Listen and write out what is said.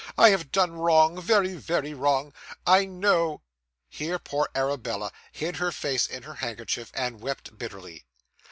I have done wrong, very, very wrong, I know.' Here poor Arabella hid her face in her handkerchief, and wept bitterly.